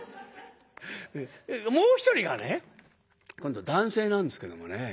もう一人がね今度男性なんですけどもね。